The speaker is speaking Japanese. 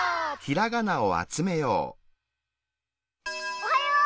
おはよう！